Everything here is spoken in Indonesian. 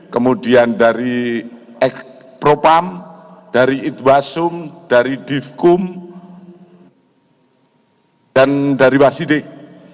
kemudian dari egpropam dari idwasum dari difkum dan dari wasidik